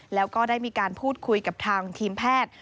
แล้วก็ได้มีการพูดคุยกับทางทีมแพทย์